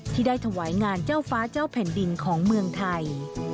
ที่ได้ถวายงานเจ้าฟ้าเจ้าแผ่นดินของเมืองไทย